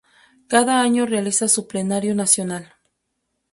Cada año realiza su plenario nacional.